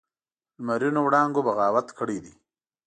لمرینو وړانګو بغاوت کړی دی